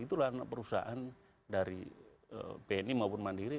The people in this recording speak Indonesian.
itulah anak perusahaan dari bni maupun mandiri